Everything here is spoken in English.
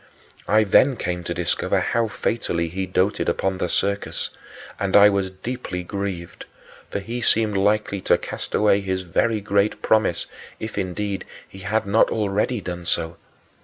I then came to discover how fatally he doted upon the circus, and I was deeply grieved, for he seemed likely to cast away his very great promise if, indeed, he had not already done so.